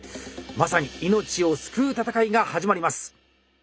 まさに命を救う闘いが始まります。